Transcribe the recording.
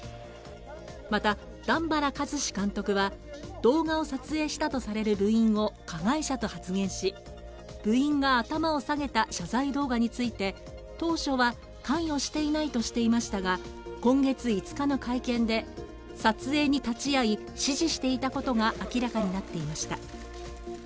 また、段原一詞監督は動画を撮影したとされる部員を加害者と発言し部員が頭を下げた謝罪動画について当初は関与していないとしていましたが、今月５日の会見で撮影に立ち会い指示していたことが明らかになっていました。